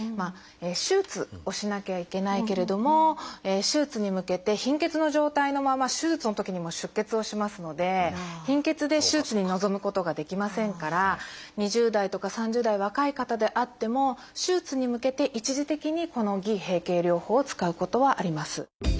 手術をしなきゃいけないけれども手術に向けて貧血の状態のまま手術のときにも出血をしますので貧血で手術に臨むことができませんから２０代とか３０代若い方であっても手術に向けて一時的にこの「偽閉経療法」を使うことはあります。